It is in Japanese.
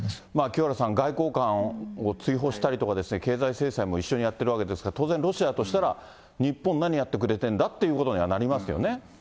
清原さん、外交官を追放したりとか、経済制裁も一緒にやってるわけですから、当然ロシアとしたら、日本何やってくれてんだということにはなりますよね。